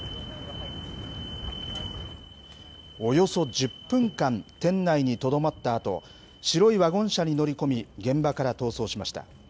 およそ１０分間、店内にとどまったあと、白いワゴン車に乗り込み、現場から逃走しました。